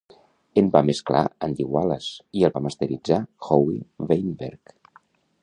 En va mesclar Andy Wallace i el va masteritzar Howie Weinberg.